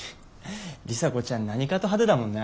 里紗子ちゃん何かと派手だもんな。